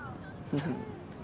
フフッ。